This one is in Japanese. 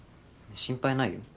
心配ないよ。